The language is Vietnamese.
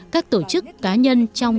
các tổ chức cá nhân